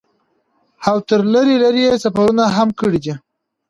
او تر لرې لرې سفرې هم کړي دي ۔